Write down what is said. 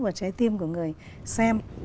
và trái tim của người xem